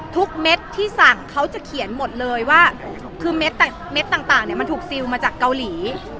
ทุกเม็ดที่สั่งเขาจะเขียนหมดเลยว่าคือเม็ดแต่เม็ดต่างเนี่ยมันถูกซีลมาจากเกาหลี